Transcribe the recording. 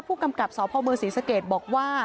ผู้กำกับสพศรีสเก็ตบอกว่า